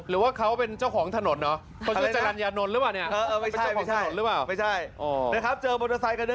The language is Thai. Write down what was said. หรือว่าเขาเป็นเจ้าของถนนเหรอ